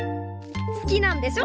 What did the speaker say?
好きなんでしょ？